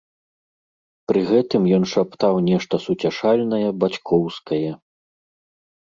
Пры гэтым ён шаптаў нешта суцяшальнае, бацькоўскае.